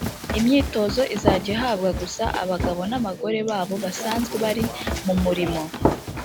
imyitozo izajya ihabwa gusa abagabo n abagore babo basanzwe bari mu murimo